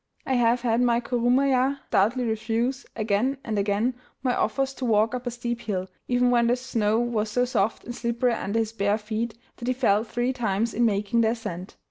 I have had my kurumaya stoutly refuse, again and again, my offers to walk up a steep hill, even when the snow was so soft and slippery under his bare feet that he fell three times in making the ascent.